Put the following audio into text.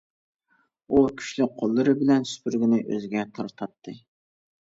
ئۇ كۈچلۈك قوللىرى بىلەن سۈپۈرگىنى ئۆزىگە تارتاتتى.